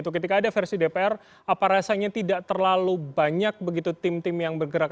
ketika ada versi dpr apa rasanya tidak terlalu banyak begitu tim tim yang bergerak